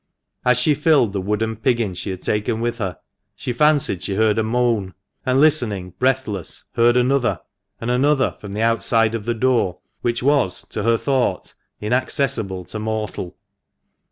As she filled the wooden piggin she had taken with her, she fancied she heard a moan, and, listening breathless, heard another, and another, from the outside of a door which was (to her thought) inaccessible to mortal.